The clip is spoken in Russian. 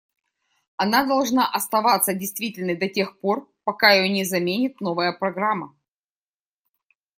Она должна оставаться действительной до тех пор, пока ее не заменит новая программа.